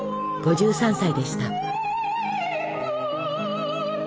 ５３歳でした。